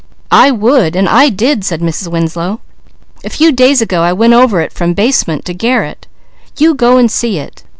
"I would, and I did!" said Mrs. Winslow. "A few days ago I went over it from basement to garret. You go and see it.